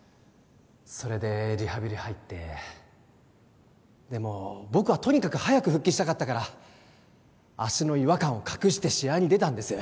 それでリハビリ入ってでも僕はとにかく早く復帰したかったから足の違和感を隠して試合に出たんです